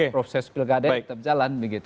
proses pilkada tetap jalan